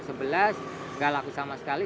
tidak laku sama sekali